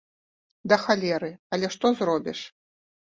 Да халеры, але што зробіш.